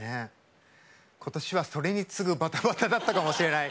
ことしは、それに次ぐばたばただったかもしれない。